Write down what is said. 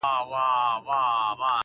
د زمري تر خولې را ووتل آهونه -